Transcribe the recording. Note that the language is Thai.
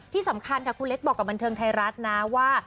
ที่สำคัญค่ะคุณเล็กบอกกับบันเทิงไทยรัฐนะว่า